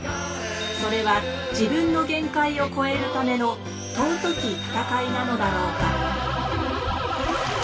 それは自分の限界を超えるための尊き戦いなのだろうか。